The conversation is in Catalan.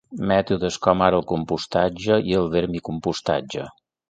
Mètodes com ara el compostatge i el vermicompostatge.